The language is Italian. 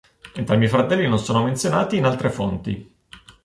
Entrambi i fratelli non sono menzionati in altre fonti.